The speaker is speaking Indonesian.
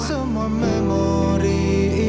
di dalam luka